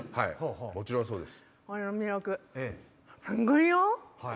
もちろんそうです。